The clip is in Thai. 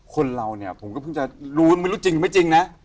คนเราเนี่ยผมก็เพิ่งจะรู้ไม่รู้จริงหรือไม่จริงนะ